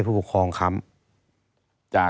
ตั้งแต่ปี๒๕๓๙๒๕๔๘